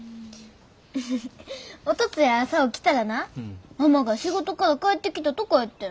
おとつい朝起きたらなママが仕事から帰ってきたとこやってん。